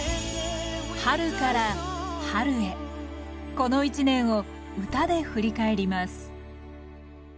この一年を歌で振り返ります